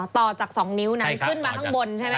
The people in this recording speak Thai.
ต่อจาก๒นิ้วนั้นขึ้นมาข้างบนใช่ไหม